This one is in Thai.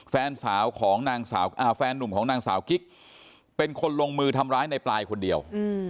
แฟนหนุ่มของนางสาวกิ๊กเป็นคนลงมือทำร้ายในปลายคนเดียว